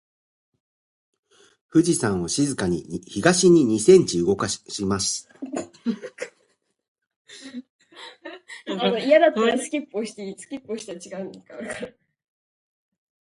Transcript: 富士山を静かに東に二センチ動かします。